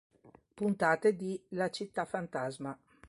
Puntate di La città fantasma